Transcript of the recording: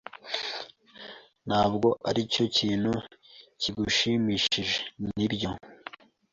Ntabwo ari icyo kintu kigushimishije, nibyo?